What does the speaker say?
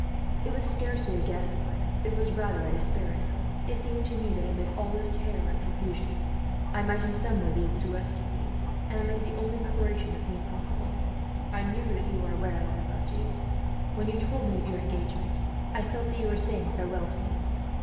"It was scarcely a guess, Claire. It was rather a despairing hope. It seemed to me that, amid all this terror and confusion, I might in some way be able to rescue you; and I made the only preparation that seemed possible. "I knew that you were aware that I loved you. When you told me of your engagement, I felt that you were saying farewell to me.